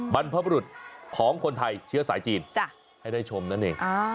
บรรพบรุษของคนไทยเชื้อสายจีนให้ได้ชมนั่นเอง